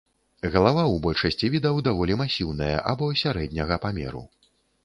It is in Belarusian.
Галава ў большасці відаў даволі масіўная або сярэдняга памеру.